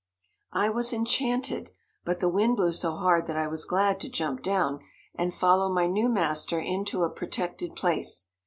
I was enchanted, but the wind blew so hard that I was glad to jump down, and follow my new master into a protected place.